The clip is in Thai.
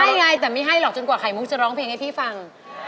ใช่ไงแต่ไม่ให้หรอกจนกว่าไข่มุกจะร้องเพลงให้พี่ฟัง